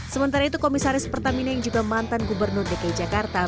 sementara itu komisaris pertamina yang juga mantan gubernur dki jakarta